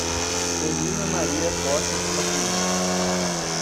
Celina Maria Costa do Nascimento